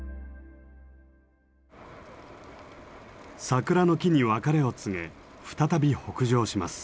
桜の木に別れを告げ再び北上します。